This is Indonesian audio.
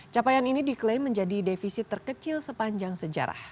capaian ini diklaim menjadi defisit terkecil sepanjang sejarah